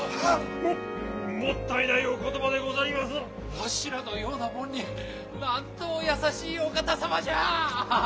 わしらのようなもんになんとお優しいお方様じゃ！